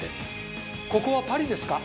「ここはパリですか？」